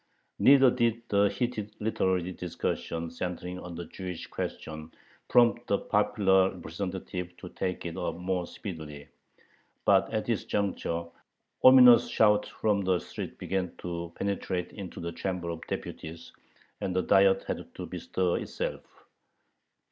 Neither did the heated literary discussions centering on the Jewish question prompt the popular representatives to take it up more speedily. But at this juncture ominous shouts from the street began to penetrate into the Chamber of Deputies, and the Diet had to bestir itself.